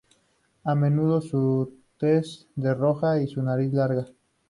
A menudo su tez es roja y su nariz larga.